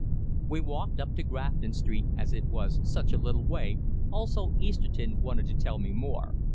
We walked up to Grafton Street, as it was such a little way, also Easterton wanted to tell me more.